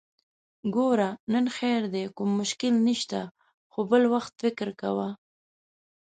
ګوره! نن خير دی، کوم مشکل نشته، خو بل وخت فکر کوه!